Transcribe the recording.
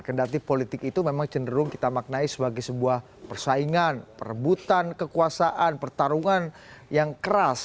kendati politik itu memang cenderung kita maknai sebagai sebuah persaingan perebutan kekuasaan pertarungan yang keras